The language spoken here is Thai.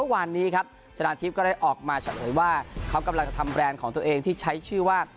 วันนี้ครับชนะทิพย์ก็ได้ออกมาเฉลยว่าเขากำลังจะทำแบรนด์ของตัวเองที่ใช้ชื่อว่า